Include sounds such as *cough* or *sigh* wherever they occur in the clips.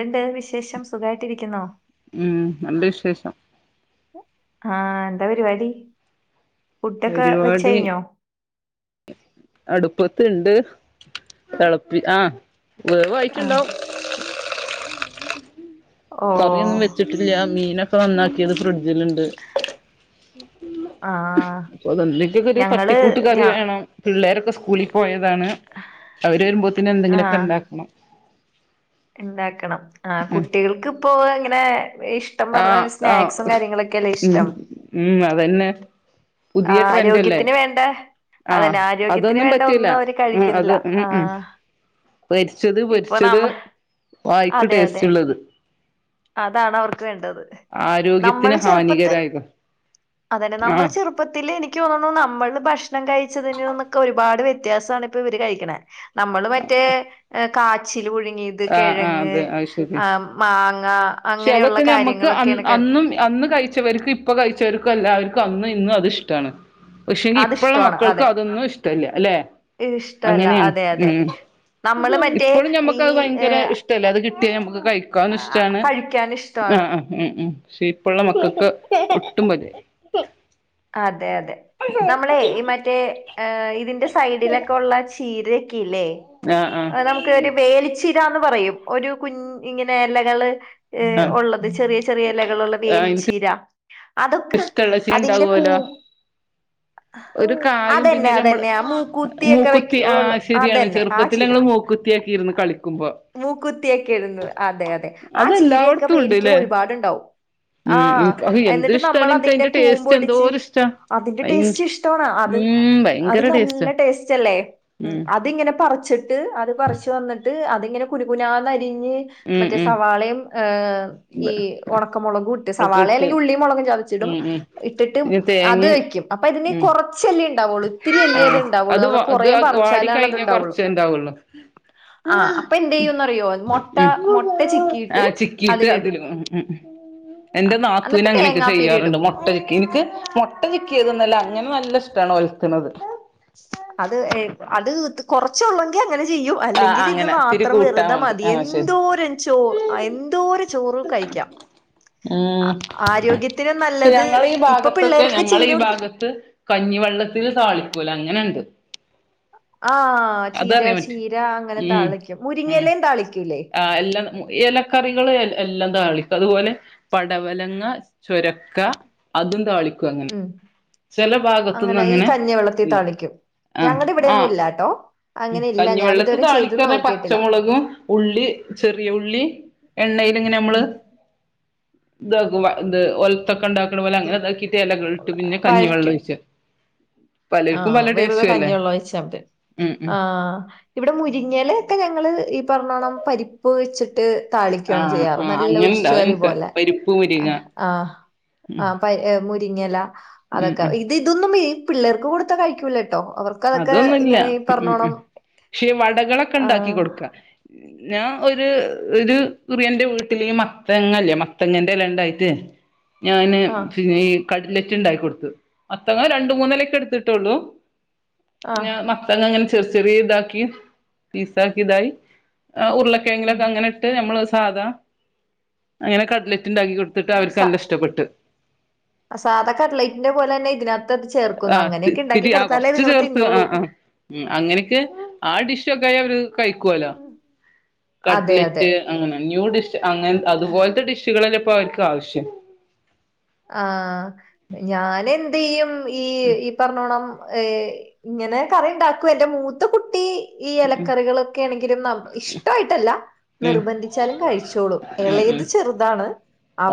ണ്ട് വിശേഷം സുഖായിട്ടിരിക്കുന്നോ? ഉം നല്ല വിശേഷം ആഹ് എന്താ പരിപാടി? ഫുഡൊക്ക വെച്ച് പരിപാടി കഴിഞ്ഞോ? അടുപ്പത്ത്ണ്ട് തെളപ്പി ആ ആ വേവായിട്ടുണ്ടാവും ഓ കറി ഒന്നും വെച്ചിട്ടില്ല മീനൊക്കെ നന്നാക്കിത് ഫ്രിഡ്ജിൽ ഇണ്ട്. ആഹ് അപ്പൊ അതെന്തൊക്കൊക്കെ ഒരു തട്ടിക്കൂട്ട് കറി വേണം പിള്ളേരൊക്കെ സ്കൂളി പോയാ അതാണ് അവര് വരുമ്പോത്തന്നെ എന്തെങ്കിലുമൊക്കെ ഉണ്ടാക്കണം ഇണ്ടാക്കണം ആ ഉം കുട്ടികൾക്ക് ഇപ്പോ അങ്ങനെ ഇഷ് ആഹ് ആഹ് ഉം ഉം അതന്നെ ആ പുതിയ ട്രെൻഡ് അല്ലേ ആരോഗ്യത്തിന് വേണ്ട ആഹ് അതന്നെ ആരോഗ്യത്തിന് അതൊന്നും വേണ്ട പറ്റൂല ഒന്നും അവര് ഉം കഴിക്കണില്ല അത് ഉം ഉം ആഹ് പൊരിച്ചത് പൊരിച്ചത് വായിക്ക് അതെ അതെ ടേസ്റ്റ് ഉള്ളത് അതാണ് അവർക്ക് വേണ്ടത് നമ്മൾ ആരോഗ്യത്തിന് ചെറുപ്പത് ഹാനികരായത് അതെന്നെ നമ്മള് ആഹ് ചെറുപ്പത്തിൽ എനിക്ക് തോന്നണു നമ്മള് ഭക്ഷണം കഴ് ച്ചതിന്നൊക്കെ ഒരുപാട് വ്യത്യാസ ഇപ്പ ഇവര് കഴിക്കണ നമ്മള് മറ്റേ കാച്ചിൽ പുഴു ത് ആഹ് ആഹ് കിഴങ്ങ്, അതെ അത് ശരി ഏഹ് മാ പക്ഷെ അതൊക്കെ നമ്മുക്ക് അന്നും അന്ന് കഴിച്ചവർക്കും ഇപ്പൊ കഴിച്ചവർക്കും എല്ലാവർ ക്ക് അന്ന് ഇന്ന് അത് ഇഷ്ടമാണ് പക്ഷെങ്കി ഇപ്പോഴുള്ള അതിഷ്ടമാണ് മക്കൾക്ക് അതെ അതൊന്നും ഇഷ്ടമല്ല അല്ലെ ഇഷ്ടല്ല അങ്ങനെയാണ് അതെ അതെ ഉം നമ്മള് മറ്റേ ഇപ്പോഴും ഈ ഞമ്മക്ക് അത് ഭയങ്കര ഏഹ് ഇഷ്ടമല്ല അത് കിട്ടിയാ മ്മുക്ക് കഴിക്കാനും ആഹ് ഇഷ്ടമാണ് കഴിക്കാൻ ഇഷ്ടാണ് ആഹ് ആ ഉം ഉം പക്ഷെ ഇപ്പോള്ള മക്കക്ക് *unintelligible* അതെ അതെ നമ്മളെ ഈ മറ്റേ ഇതിന്റെ സൈഡിലൊക്കെ ഉള്ള ചീര ക്കില്ലേ ആഹ് ആഹ് നമുക്ക് വേടിച്ച് രാന്ന് പറയും ഒരു കുൻ ഇങ്ങനെ എലകള് ഏ ആഹ് ഉള്ളത് ചെറിയ ചെറിയ എലകളുള്ള ആഹ് ഇൻക്ക് വേലിച്ചീര അതൊക്കെ ഇഷ്ടള്ള ച്ചി അതിന്റെ കൂ ഉണ്ടാവുല്ലോ ഒരു കായും പിന്നെ അതന്നെ നമ്മൾ അതന്നെ ആ മൂക്കുത്തിയൊക്കെ വെക്ക മൂക്കുത്തി ആ ഉള്ള ശെരിയാണ് അതന്നെ ആ ചെറുപ്പത്തിൽ ചീര ഞങ്ങൾ മൂക്കുത്തിയാക്കി ഇരുന്ന് കളിക്കുമ്പോ മൂക്കുത്തിയൊക്കെ ഇടുന്നത് അതെ അതെ ആ ചീരയൊക്കെ അതെല്ലായിടത്തും വേലിക്ക് ഉണ്ട്ല്ലേ ഒരുപാടുണ്ടാവും ആഹ് ഉം അ എന്ത് എന്നിട്ട് ഇഷ് നമ്മൾ ടാണ് അതിന്റെ ൻക്കയ്ൻ്റെ ടേസ്റ്റ് എന്തോ കൂമ്പൊടിച്ച് അതിന്റെ ടേസ്റ്റ് ഇഷ്ട്ടോണ അത് ഉം അത് ഭയങ്കര ടേസ്റ്റാ നല്ല ടേസ്റ്റ് അല്ലേ ഉം അതിങ്ങനെ പറിച്ചിട്ട് അത് പറിച്ചു വന്നിട്ട് അ ഇങ്ങനെ കുനു കുനാന്നു അരി ഉം മറ്റേ ഉം സവാളേം ഈ ഉണക്കമുളകും ഇട്ട് ഒക്കെ സവാള ഇട്ട് അല്ലെങ്കി ഉള്ളിയും മൊളകും ചതച്ചിടും ഉം ഉം പിന്നെ തേങ്ങ അത് വയ്ക്കും അപ്പൊ ഇതിനി ഉം കൊറച് ആ അത് ഇത് കുറേ വാടി പറിച്ചാലാണ് അത് കഴിഞ്ഞാ ഉണ്ടാവുള്ളൂ കൊറച്ച് ണ്ടാവുള്ളു ആഹ് അപ്പൊ എന്ത് ചെയ്യുംന്നറിയോ മുട്ട മുട്ട ആ ചിക്കിയിട്ട് ചിക്കിയിട്ട് അതിലിടും അതില് ഉം എന്റെ ആഹ് നാത്തുനു എന്നിട്ട് അങ്ങനെയൊക്കെ തേങ്ങാപ്പീര ഇടും ചെയ്യാറുണ്ട് മുട്ട ചിക്കീനിക്ക് മുട്ട ചിക്കിയതന്നല്ല അങ്ങനെ നല്ല ഷ്‌ടാണ് ഒലത്തണത് അത് അത് കൊറച്ചൊള്ളെങ്കിൽ അ ചെയ്യൂ ആ അല്ലെങ്കിൽ ഇത് അങ്ങനെ ഇത്തിരി മാത്രം കൂട്ടാൻ വെറുതെ വേണ്ടി മതി ആ ശരി എന്തോരം ചോ എന്തോരം ചോറ് കഴിക്കാം ഉം ആരോഗ്യത്തിന് പക്ഷെ നല്ലത് ഞങ്ങളെ ഈ ഇപ്പൊ ഭാഗത്തൊക്കെ പിള്ളേർക്ക് ഞങ്ങളെ ചീര ഈ കൊടുത്ത ഭാഗത്ത് ങ്ങനണ്ട് ആഹ് ചീര ചീര അങ്ങനെ ഉം താളിക്കും ഉം മുരിങ്ങലയും താളിക്കും ആ എല്ലാം ഇലക്കറികളല്ല എല്ലാം താളിക്കും അതുപോലെ പടവലങ്ങ ചുരക്ക അതും താളിക്കും അങ്ങനെ ഉം ചില ഭാഗത്തുനിന്ന് അങ്ങനെ ഈ കഞ്ഞി വെള്ളത്തി ഇല്ല താളിക്കും ആഹ് ഞങ്ങടെ ഇവിടെൊന്നും ആഹ് ഇല്ലാട്ടോ അങ്ങനെ ഇല്ല കഞ്ഞിവെള്ളത്ത് ഞാനിതുവരെ ചെയ്ത് താളിക്കറഞ്ഞ നോക്കിയിട്ടില്ല പച്ചമുളക് ഉള്ളി ചെറിയ ഉള്ളി എണ്ണേല് എങ്ങനെ നമ്മള് ഉം ഇത ഇത് ഒലത്തൊക്കെ ഉണ്ടാക്ക പോലെ അങ്ങനെ ഇതാക്കിട്ട് ഇലട്ട് പിന്നെ കഞ്ഞി വെള്ളം വഴറ്റും ഒഴിക്ക ആഹ് വെറുതെ കഞ്ഞിവെള്ള ഒഴിച്ച ഉം ഉം ആ ഇവിടെ മുരിങ്ങല ഒക്കെ ഞങ്ങള് പറഞ്ഞോണം പരിപ്പ് വെച്ചിട്ട് താളിക്കാണ് ആഹ് ചെയ്യാറ് ആഹ് നല്ല ഉഷ് അങ്ങനെണ്ടാവും കറി എനിക്ക് പോലെ പരിപ്പ് മുരിങ്ങ തിങ്ങല ഉം അതൊക്കെ ഉം ഇത് ഇതൊന്ന് വേ പിള്ളർ കൊടുത്ത കഴിക്കൂലെ അതൊന്നുമല്ല ഉം ഉം പക്ഷേ വടകളൊക്കെ ഉണ്ടാക്കി ആഹ് കൊടുക്ക ഞാൻ ഒരു ഒരു കുറി എന്റെ വീട്ടില് മത്തങ്ങല്ലേ മത്തങ്ങൻറെ എല ഇണ്ടായിട്ടേ ഞാന് ആഹ് പിന്നെ ഇ കട്ലറ്റ് ഉണ്ടാക്കി കൊടുത്തു അപ്പോ ഇതാ രണ്ട് മൂന്നിലക്ക് എടുത്തിട്ടുള്ളൂ പിന്നെ ആഹ് മത്തങ്ങ അങ്ങനെ ചെറിയ ചെറിയ ഇതാക്കി പീസാക്കി ഇതായി ആ ഉരുളക്കെഴങ്ങിലൊക്കെ അങ്ങനെ ഇട്ട് നമ്മള് സാധാ അങ്ങനെ കടലറ്റ് ണ്ടാക്കി കൊടുത്തിട്ട് അവർക്ക് നല്ല ഇഷ്ടപ്പെട്ട് അ സാധാ കട്ലൈറ്റിന്റെ പോലെ തന്നെ ഇതിനകത്തോട്ട് ചേർക്കുക അങ്ങനെയൊക്കെ ഉണ്ടാക്കി കൊടുത്താലേ ഇതുങ്ങള് തി ആഹ് ആഹ് അങ്ങനൊക്കെ ആ ഡിഷൊക്കെ *unintelligible* കയിക്കുവല്ലോ ഉം. അതെ അതെ. കട്ലെറ്റ് അങ്ങനെ ന്യൂ ഡിഷ് അങ്ങനെ അതുപോലത്തെ ഡിഷുകളൊക്കെ ഇപ്പോ വെ ക്കുവാ ആവശ്യം ആഹ് ഞാനെ ന്ത് ചെയ്യും ഈ ഈ പറഞ്ഞോണം ഏ ഇങ്ങനെ കറി ഉണ്ടാക്കൂ എന്റെ മൂത്ത കുട്ടി ഈ ഇലക്കറികളൊക്കെ ആണെങ്കിലും ന ഇഷ്ടമായിട്ടല്ല ഉം നിർബന്ധിച്ചാലും കഴിച്ചോളും ഉം ഉം ഇളയത് ചെറുതാണ്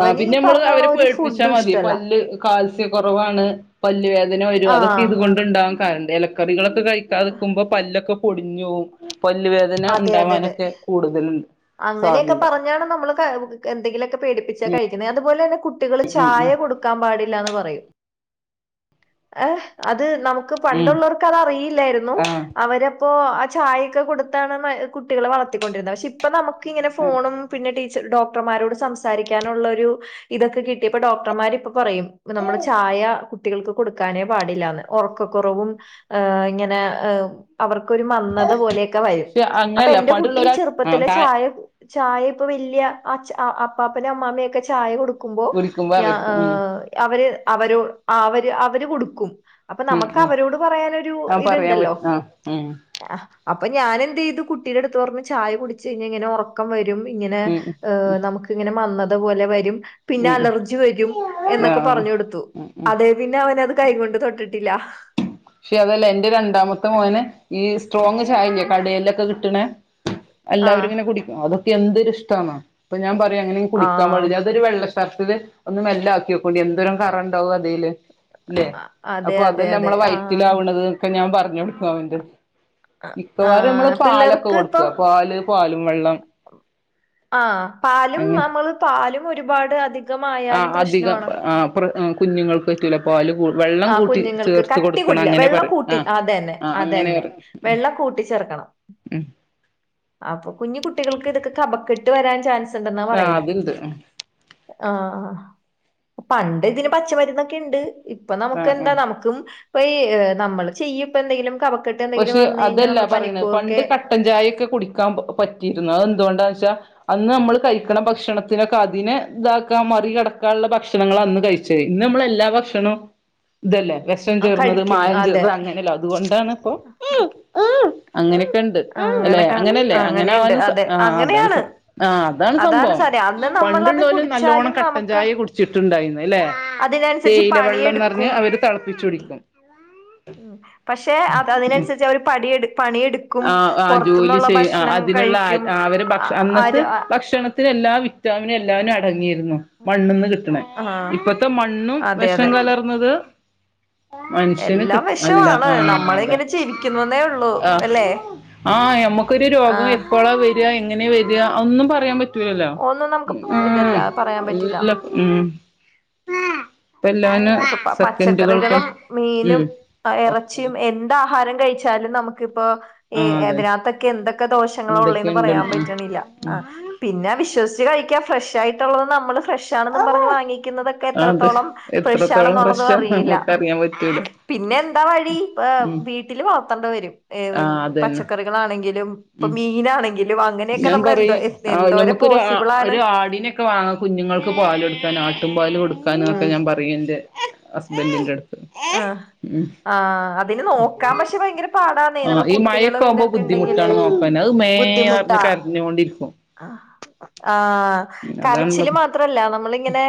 ആ ഈ പിന്നെ നമ്മള് പറഞ്ഞോണം അവര് പേ ഒരു കിച്ചാൽ ഫുഡും മതി ഇഷ്ടല്ല പല്ല് കാൽസ്യ കൊറവാണ് പല്ല് വേ അങ്ങനെ വരും അതൊക്കെ ആഹ് ഇത് കൊണ്ട്ണ്ടാകും ണ്ട് ഇലക്കറികള കഴിക്കാക്ക്പോ പല്ലൊക്കെ പൊടിഞ്ഞുവും പല്ലുവേദന അതെ അതെ അതെ ഇണ്ടാവാനൊക്കെ കൂടുതലുണ്ട് അങ്ങനെയൊക്കെ സാധ്യത പറഞ്ഞാണ് നമ്മള് ക എന്തെങ്കിലൊ പേടിപ്പിച്ചാ ഉം കഴിക്കുന്നത് അതുപലെന്നെ കുട്ടികള് ഉം ചായ ഉം കൊടുക്കാൻ പാടില്ലാന്ന് പറയും ഏ അ അത് നമുക്ക് ഉം പണ്ടുള്ളവർക്ക് അത്റിയില്ലായിരുന്നു ആ അവരെ ഇപ്പൊ ആ ചായൊക്കെ കൊടുത്താണ് കുട്ടികളെ വളർത്തിക്കൊണ്ടിരുന്നത് പക്ഷെ ഇപ്പം നമ്മക്ക് ങ്ങനെ ഫോണും പിന്നെ ച്ച ഡോക്ടർമാരോട് സംസാരിക്കാനുള്ളരു ഇതൊക്കെ കിട്ടിയപ്പോ ഡോക്ടർമാര് ഇപ്പോ പറയും നമ്മുടെ ചായ കുട്ടികൾക്ക് കൊടുക്കാനേ പാടില്ലാന്ന് ഉറക്കക്കുറവും ് ഇങ്ങനെ അവർക്കൊരു മന്നത പോലെയൊക്കെ വരും പക്ഷെ അപ്പൊ അങ്ങനല്ല എന്റെ കുട്ടി പണ്ടുള്ളവരാ ചെറുപ്പ ത്തിലെ ആ ചായ ചായ ഇപ്പൊ വല്യ അപ്പാപ്പന അമ്മാമ്മൊക്കെ ചായ കൊടുക്കും ക്കുമ്പോ വിളിക്കുമ്പോ ഞ അവർക്ക് ഉം അവര് അവര് അവര് അവര് കൊടുക്കും അപ്പൊ ഉം നമുക്ക് ഉം അവരോട് പറയാനൊരു ആ പറയാൻ ഇത്ണ്ടല്ലോ പറ്റും ആ ഉം അപ്പൊ ഞാനെന്ത്തു ചെയ്തു കുട്ടിയുടെ അടുത്ത് പറഞ്ഞ് ചായ കുടി ഇങ്ങനെ ഉറക്കംരും ഇങ്ങനെ് ഉം നമുക്ക് ഇങ്ങനെ മന്ന അതുപോലെ വരും പിന്നെ ഉം അലർജി വരും എന്നൊക്കെ ആഹ് പറഞ്ഞ കൊടുത്തു ഉം ഉം അതേ പിന്നെ അവനത് കൈകൊണ്ട് തൊട്ടിട്ട് കേട്ടില്ല പക്ഷെ അതല്ല എന്റെ രണ്ടാമത്തെ മോന് ഈ സ്ട്രോങ് ചായല്ല കടലൊക്കെ കിട്ട കിട്ടണ എല്ലാവും ആഹ് ഇങ്ങനെ കുടിക്കും അതൊ എന്തൊ ഇഷ്ടമാണ്പ്പൊ ഞാൻ പറ അങ്ങനെ കുടിക്കാൻ പ ആഹ് അതൊ വെ ഷർട്ടിലെ ഒന്ന് മെല് ആക്കിയൊക്കോ ടി എന്തോരം കറുണ്ടാവും അതിേല് ഇല്ലേ അതെ അപ്പൊ അതെ അതല്ല അതെ നമ്മള വൈ ആഹ് ത്തിലാവുന്നതൊക്കെ ഞാൻ പറഞ്ഞു പറഞ്ഞുകൊടുക്കും അവന്റെ അടുത്ത് മിക്കവാറുംനമ്മള് ആഹ് പാലൊക്കെ കൊടുക്കുക പാല് പാലും വെള്ളം ആ പാലും അങ്ങനെ നമ്മൾ പലും പ ഒരുപാട് അതി ആ അധികം ആ കുർ കുഞ്ഞുങ്ങൾക്ക്റ്റല പാല് കൂടു ആ കുഞ്ഞുങ്ങൾക്ക് കട്ടി കുടില്ല വെള്ളം പറയും ആ കൂട്ടി അതന്നെ ആ അങ്ങനെ അതന്നെ പറയും വെള്ളം കൂട്ടിച്ചേർക്കണം ഉം അപ്പൊ കുഞ്ഞി കുട്ടികൾക്ക് ഇതൊക്കെ കപക്കെട്ട് വരാൻ ചാൻസ് ആഹ് അതിണ്ട് ആ പണ്ട് ഇതിന് പച്ചമരുന്നൊക്കെ ണ്ട് അപ്പൊ ആ നമുക്ക് എന്താ ആ നമുക്കും ഇപ്പ ഇ നമ്മള് ചെയ്യ പ്പ എന്തെലും പക്ഷെ അതല്ല പറയണ പണ്ട് കട്ടൻ ചായൊക്കെ കുടിക്കാൻ പറ്റിയിരുന്നു അതെന്തുകൊണ്ടാന്ന് ച്ചാ അന്ന് നമ്മൾ കഴിക്കണ ഭക്ഷണത്തിനൊക്കെ അതിനെ ഇതാക്കാ മറി കിടക്കാനുള്ള ഭക്ഷണങ്ങള അന്ന് കഴിച്ചത് ഇന്ന് നമ്മൾ എല്ലാ ഭക്ഷണവും ഇതല്ലേ വിഷം ആ, ചേർന്നത് മായം ചേർനത് അങ്ങനെയല്ലോ അതുകൊണ്ടാണ് ആ അങ്ങനെ എണ്ട് അല്ലെ അങ്ങനെയല്ലേ അങ്ങനെ അങ്ങനെയുണ്ട് ആവാനും സാ അതെ ആ് അതാണ് അങ്ങനെയാണ് ആ അതാണ് സംഭവം സാര അന്ന് നമ്മളത് പണ്ടുള്ളോലും നല്ലോണ്ണം കുടിച്ചാലും കട്ടൻ നമുക്ക് ചായ കുടിച്ചിട്ടുണ്ടായിന്ന അല്ലേ അതിനനുസരിച്ച് തേയിലെ വെള്ളം നിറഞ്ഞ് പണിയെടുക്കും അവര് തിളപ്പിച്ചു കുടിക്കും പക്ഷെ ദതിനനുസരിച്ച് അവര് പടിയെട് പണിയെട് ആ ആ ജോലി ചെയ്യും അ അതിനുള്ളഅര് കഴിക്കും അ അവരെ ആ ഭക്ഷ അന്നത്തെ ആര് ആ ഭക്ഷണത്തിന് എല്ലാ വിറ്റാമിന് എല്ലാനും അടങ്ങിയിര് തിന്നോ മണ്ണ്ന്ന് കിട്ടണ ആഹ് ഇപ്പത്തെ മണ്ണും അതെ വിഷം അതെ കലർന്നത് മനുഷ്യന് എല്ലാം കിട്ട അല്ല വെഷമാണ് ആ നമ്മള അതെ ഇങ്ങനെ ചിരിക്കുന്നുന്നേ ഉള്ളൂ ആ അല്ലേ ആ നമുക്കൊരു രോഗം ആഹ് എപ്പോഴാ വര്അ എങ്ങനെ വര്അ ഒന്നും പറയാൻ പറ്റ് റ്റുഏല ഒന്നും നമുക്ക് ആഹ് ഇതല്ല പറയാൻ പറ്റില്ല ല്ല ഉം ഇപ്പ എല്ലാനും ഇപ്പൊ പ സെക്കൻഡുകൾക്ക് പച്ചക്കറികളും മീനും ഉം എറച്ചിയും എന്ത ആഹാരം കഴിച്ചാലും നമുക്ക് പൊ ഇ ആ അതെ എതിനകത്തൊക്കെ എന്തൊക് കെ ദോഷങ്ങളോള്ളേന്ന് പറയാൻ എന്തൊക്കെയുണ്ട് പറ്റണില്ല അ പിന്നെ വിശ്വസിച്ച് കഴിക്കാ ഫ്രഷ് ആയിട്ടുള്ളത് നമ്മള് ഫ്രഷ് ആണെന്നും പറഞ്ഞ് വാങ്ങിക്കുന്നതൊക്കെ അത് എത്രത്തോളം എത്രത്തോളം വെശാണെന്നുള്ളത് പ്രശ്നം അറിയെല്ല നമുക്കറിയാൻ പറ്റൂല പിന്നെ എന്താ വഴി വെ ഉം വീട്ടിൽ പന്തവരും ഏത് ആഹ് അതന്നെ പച്ചക്കറികളാണെങ്കിലും ഇപ്പ ഉം മീനാണ് ഞാൻ പറയും ആഹ് ഞമ്മുക്കൊരു പോസിബിൾ ആണ് ഒരു ആടിനൊക്കെ വാങ്ങ കുഞ്ഞുങ്ങൾക്ക് പാലുകൊടുക്കാൻ ആട്ടും പാാലും കൊടുക ആക്കാനൊക്കെ ഉം ഞൻ പറയിണ്ട് ഹസ്ബൻറ്റിറ്റടുത്ത് ആ ആ അതിന് നോക്കാം പക്ഷെ ഭയങ്കര പാടാന്നേ ആഹ് നമ്മൾ ഈ മഴയൊക്കെ കുട്ടികളും ആവുമ്പോ ഇതൊക്കെ ഉണ്ടെങ്കില് ബുദ്ധിമുട്ടാണ് നോക്കാൻ അത് മേ ബുദ്ധിമു പറഞ്ഞ് ട്ടാ കരഞ്ഞോണ്ടിരിക്കും ആ കരച്ചില് അതാണുള്ളത് മാത്രല്ല നമ്മളിങ്ങനെ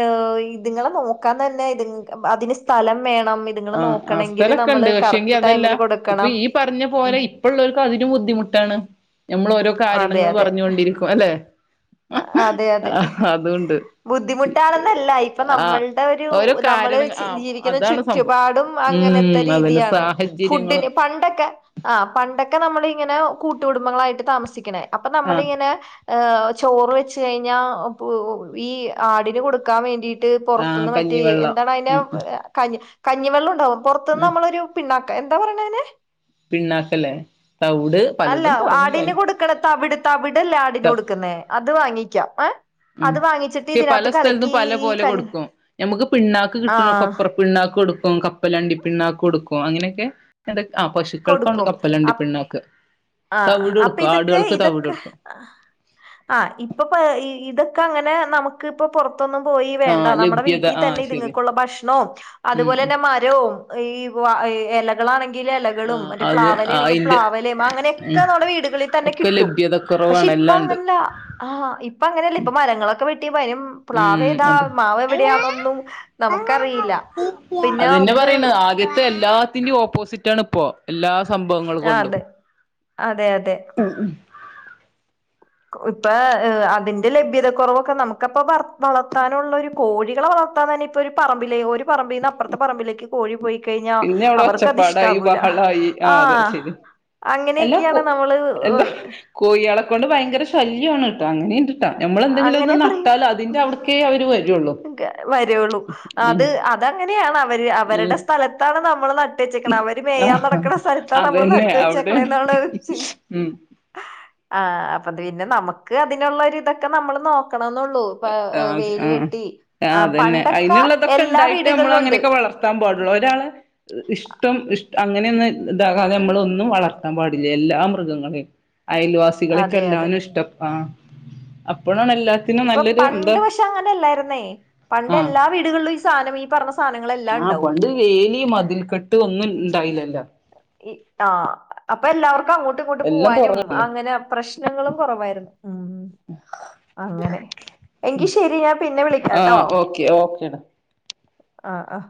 ഏഹ് ഈ ഇതുങ്ങളെ നോക്കാന്ന് തന്നെ ഇ അതിന് സ്ഥലം വേണം ഇതുങ്ങളെ ആഹ് ആ നോക്കണെങ്കില് അവസ്ഥലൊക്കെ ഉണ്ട് നമ്മള് പക്ഷെങ്കി കറക്റ്റ് അതല്ല ടൈമില് ഇപ്പൊ കൊടുക്കണം ഈ പറഞ്ഞ ഉം പോലെ ഇപ്പള്ളവർക്ക് അതിനു ബുദ്ധിമുട്ടാണ് ഞമ്മളോരോ അതെ കാരണങ്ങൾ അതെ പറഞ്ഞു കൊണ്ടിരിക്കും അല്ലെ അതെ അതെ അതുണ്ട് ബുദ്ധിമുട്ടാണെന്നല്ല ഇപ്പൊ ആ നമ്മള്ടെ ഒരു ഓരോ നമ്മള് കാരണ ആ ജീവിക്കുന്ന അതാണ് സംഭവം ചുറ്റുപാ ടും അങ്ങനത്തെ ഉം അതന്നെ രീതിയാണ് സാഹചര്യങ്ങള് ഫുഡിന് പണ്ടൊക്കെ ആ പ ഒക്കെ നമ്മളിങ്ങനെ കൂട്ടുകുടുംബങ്ങളായിട്ട് താമസിക്കണേ അപ്പൊ ആ നമ്മളിങ്ങനെ ഏഹ് ചോറ് വെച്ച് കഴിഞ്ഞാ ഈ ആടിന് കൊടുക്കാ വേണ്ടി ട്ട് ആ പൊറത്തുന്ന് മറ്റേ കഞ്ഞിവെള്ളം എന്താണ് അതിനേ ഉം ഉം കനി കഞ്ഞിവെള്ളം ഉണ്ടാവും പൊറത്ത് നിന്ന് ഉം നമ്മളൊരു പിണ്ണാ എന്താ പറയാണെ അയിനെ പിണ്ണാക്കല്ലേ തൗട് അല്ല പലതും പറഞ്ഞു പല ആടിന് കൊടുക്കണ തവിട് തവിടല്ലേ ആടിന് കൊടുക്ക്ന്നേ അത് വാങ്ങിക്കാം ഏഹ് ഉം ഈ പല ഇതിനകത്ത് സ്ഥലത്തും കലക്കി പല ഈ പോലെ കഞ്ഞി കൊടുക്കും ഞമ്മുക്ക് പിണ്ണാക്ക് കിട്ടുന്ന ആഹ് കൊപ്ര പിണ്ണാക്ക് കൊടു ക്കും കപ്പലണ്ടി പിണ്ണാക്ക്കൊടുക്കും അങ്ങനെക്കെ എടയ് കൊടുക്കും ആ തവിട് അപ്പ കൊടുക്കും ഇതൊക്കെ ആടുകൾക്ക് തവിട് ഇതൊക്കെ കൊടുക്കും ആഹ് ഇപ്പൊ ഇത് ഇതക്കങ്ങനെ നമുക്ക് ഇപ്പൊ പൊറ തോന്നും പോയി ആ വേണ്ട നമ്മടെ ലഭ്യത വീട്ടി ആ തന്നെ ശരി ഇത്ങ്ങക്കുള്ള ഭക്ഷണവും ഉം അതുപോലെ ഉം തന്നെ മരവും ഇ പ്പോ ഏലകളാണെങ്കില് കളും ആഹ് മറ്റേ അത് പ്ലാവേലണെങ്കി അയിന്റെ പ്ലാവേലേം ഉം അങ്ങനെക്കെ നമ്മുടെ വീടുകളിൽ തന്നെ ഒക്കെ കിട്ടും ലഭ്യത പക്ഷെ കുറവാണ് ഇപ്പ എല്ലാണ്ട് അങ്ങനെല്ല അ ഇപ്പൊ അങ്ങനെയല്ല മരങ്ങളൊക്കെ വെ- ട്ടി വരും ഉം പ്ലാവേതാ അതെ മാവ് എവിടെയാന്നൊന്നും നമുക്കറിയില്ല പിന്നെ അതന്നെ നമുക്ക് സിറ്റാണ് ഇപ്പോ എല്ലാ സംഭവങ്ങള് ആഹ് കൊണ്ടും അതെ അതെ അതെ ഇപ്പൊ അതിന്റെ ലഭ്യത കുുറവൊക്കെ നമുക്കപ്പ വ വളർത്താനുള്ള ഒരു കോഴികള വളർത്താൻ തന്നെ ഇപ്പൊ ഒരു പറമ്പിലെ- പറമ്പിന്ന് അപ്പറത്തെ പറമ്പിലേക്ക്- പോയി പോയി- കഴിഞ്ഞാ പിന്നെ അവിടെ അവർക്കത് ഒച്ചപ്പാടായി ഇഷ്ടാവൂല ബഹളായി ആ് അതെ ആഹ് ശെരി അങ്ങനെയൊക്കെയാണ് എല്ലാഒക്കും നമ്മള് എന്താ കോഴികളെ കൊണ്ട് ഭയങ്കര ശല്യാണ്- അങ്ങനെയുണ്ട്ട്ടാ നമ്മൾ എന്തെങ്കിലും ഒന്ന് അങ്ങനെ പറയും നട്ടാൽ ഉ അതിന്റെ അവിടക്കേ അവര് വരുള്ളൂ വരുുള്ളൂ അത് ഉം അതങ്ങനെയാണ് അവര് ഉം അവരുടെ സ്ഥലത്തണ നമ്മ- വളന്നാൽ- വെച്ചെക്കണഅവര് മേയാൻ ആഹ് നടക്കണ സ്ഥലത്ത നമ്മൾ അതന്നെ നട്ട് അവിടെയാണ് ഉം വെച്ചക്കണേന്നൊളളരുചി---ആ- അത് പിന്നെ നമക്ക് അതിനുള്ളരു ഇതൊക്കെ നമ്മൾ നോക്ക് ആ ആ ആഹ് അതന്നെ പണ്ടൊക്കെ അതിനുള്ളതൊക്കെ എല്ലാ ഉണ്ടായിട്ട് നമ്മൾ വീടുകളിലും ഉണ്ട് അങ്ങനെയൊക്കെ വളർത്താൻ പാടുള്ളൂ ഒരാള- ഇഷ്ടം ഇഷ് അങ്ങനെയന്ന്- ഇതാകാതെ നമ്മള ഒന്നും വളർത് ത്താൻപാടില്ല എല്ലാ മൃഗങ്ങളേ- അയൽവാസികൾക്ക് അതെ അതെ എല്ലാനു ഇഷ്ടം ആ അപ്പോഴാണൽ എാത്തിും ഇപ്പൊ നല്ല പണ്ട് പക്ഷെ അങ്ങനെയല്ലായിരുന്നേ പണ്ട് എല്ലാ വീടുകളിലും ഈ സാധനം പറഞ്ഞ സാധനങ്ങളെല്ലാം ആ് ഉണ്ടാവും പണ്ട് ലേലി മതിൽക്കെട്ട് ഒന്നും ഇണ്ടായില്ലല്ലോ ആ അപ്പൊ എല്ലാവർക്കും അപ്പൊ അങ്ങോട്ടും ഇങ്ങോട്ട് എല്ലാം പോവാനും തുറന്നിട്ടില്ലേ അങ്ങനെ പ്രശ്നങ്ങളും കുറവായിരുന്നു ഉ അങ്ങനെ എങ്കി ശരി ഞാൻ പിന്നെ വിളിക്കാട്ടോ ആഹ് ഓക്കെ ഓക്കേടാ ആഹ ആഹ്